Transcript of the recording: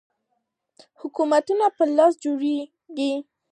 حکومتونو په لاس جوړ شوی قفس